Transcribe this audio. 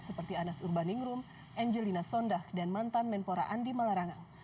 seperti anas urbaningrum angelina sondah dan mantan menpora andi malarangan